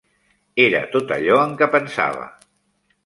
Era tot allò en què pensava.